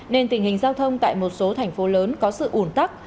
nên tình hình giao thông tại một số thành phố lớn có sự ủn tắc